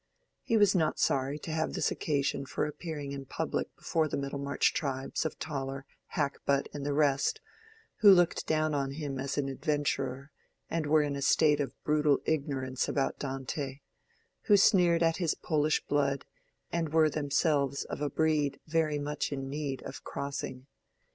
He was not sorry to have this occasion for appearing in public before the Middlemarch tribes of Toller, Hackbutt, and the rest, who looked down on him as an adventurer, and were in a state of brutal ignorance about Dante—who sneered at his Polish blood, and were themselves of a breed very much in need of crossing.